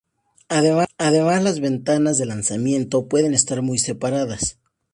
Además, las ventanas de lanzamiento pueden estar muy separadas.